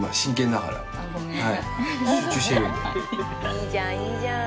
いいじゃんいいじゃん。